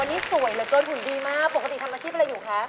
อันนี้สวยเหลือเกินหุ่นดีมากปกติทำอาชีพอะไรอยู่คะ